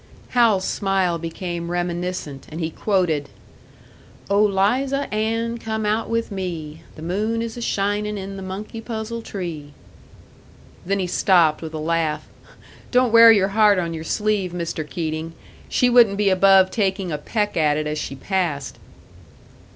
Hal's smile became reminiscent, and he quoted: "Oh Liza Ann, come out with me, The moon is a shinin' in the monkey puzzle tree!" Then he stopped, with a laugh. "Don't wear your heart on your sleeve, Mr. Keating. She wouldn't be above taking a peck at it as she passed."